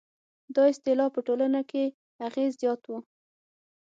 دا اصطلاح په ټولنه کې اغېز زیات و.